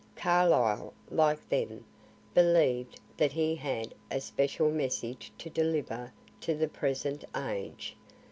Carlyle, like them, believ'd that he had a special message to deliver to the present age.